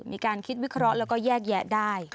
มีการคิดวิเคราะห์แล้วก็แยกแยะได้